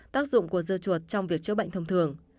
tác dụng của dưa chuột trong việc chữa bệnh thông thường